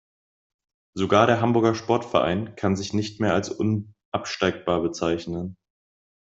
Sogar der Hamburger Sportverein kann sich nicht mehr als unabsteigbar bezeichnen.